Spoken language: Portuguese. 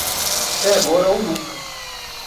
É agora ou nunca!